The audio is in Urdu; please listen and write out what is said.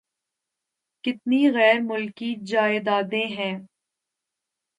کتنی غیر ملکی جائیدادیں ہیں۔